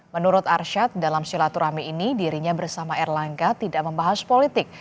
menurut arsyad dalam silaturahmi ini dirinya bersama erlangga tidak membahas politik